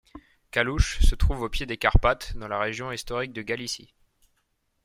Kalouch se trouve au pied des Carpates, dans la région historique de Galicie.